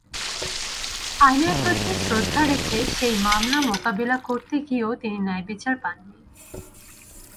আইনের প্রতি শ্রদ্ধা রেখে সেই মামলা মোকাবিলা করতে গিয়েও তিনি ন্যায়বিচার পাননি।